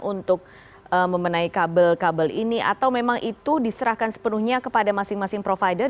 untuk memenai kabel kabel ini atau memang itu diserahkan sepenuhnya kepada masing masing provider